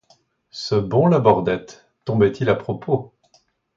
Ce bon Labordette, tombait-il à propos!